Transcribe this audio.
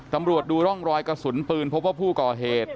ตำรวจดูร่องรอยกระสุนปืนพบว่าผู้ก่อเหตุ